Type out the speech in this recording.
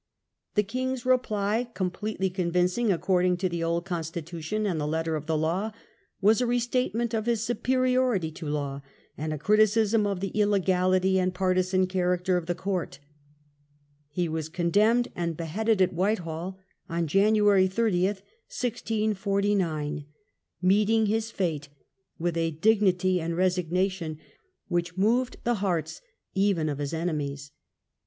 The king's reply, completely convincing according to the old consti tution, and the letter of the law, was a restatement of his superiority to law and a criticism of the illegality and partisan character of the court. He was condemned, and beheaded at Whitehall on January 30, 1649, meeting his fate with a dignity and resignation which moved the (962) E 6o ENGi^AND WITHOUT A GOVERNMENT. hearts even of his enemies.